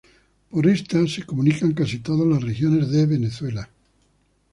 Por esta se comunican casi todas las regiones de Venezuela.